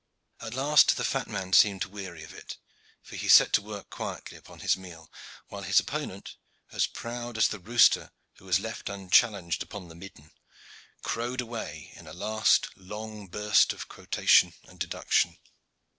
At last the fat man seemed to weary of it, for he set to work quietly upon his meal, while his opponent, as proud as the rooster who is left unchallenged upon the midden, crowed away in a last long burst of quotation and deduction.